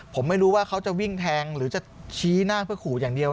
ผมไม่รู้ว่าเขาจะวิ่งแทงหรือจะชี้หน้าเพื่อขู่อย่างเดียว